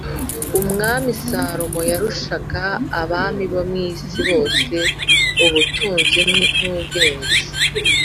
Umwami Salomo yarushaga abami bo mu isi bose ubutunzi n’ubwenge